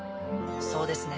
そうですね。